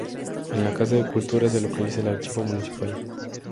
En la Casa de Cultura se localiza el archivo municipal.